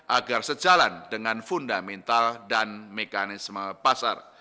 agar sejalan dengan fundamental dan mekanisme pasar